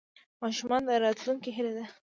ماشومان د راتلونکي هیله ده.